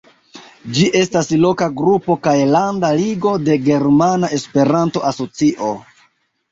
Ĝi estas loka grupo kaj landa ligo de Germana Esperanto-Asocio.